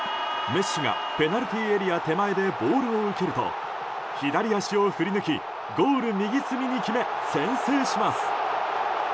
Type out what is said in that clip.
メッシがペナルティーエリア手前でボールを受けると左足を振り抜きゴール右隅に決め先制します。